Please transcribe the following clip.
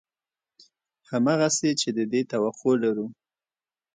همغسې چې د دې توقع لرو